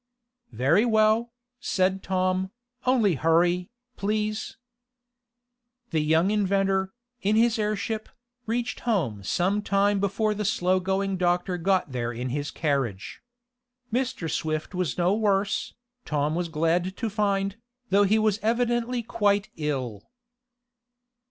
"Very well," said Tom, "only hurry, please." The young inventor, in his airship, reached home some time before the slow going doctor got there in his carriage. Mr. Swift was no worse, Tom was glad to find, though he was evidently quite ill.